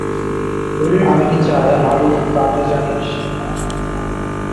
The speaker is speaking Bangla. আমি কি চাই আদো তা তুই জানিস?